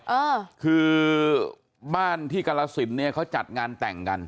เออคือบ้านที่กรสินเนี่ยเขาจัดงานแต่งกัน